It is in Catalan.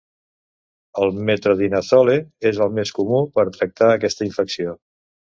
El metronidazole és el més comú per tractar aquesta infecció.